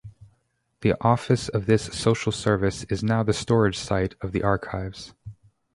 The office of this social service is now the storage sight of the archives.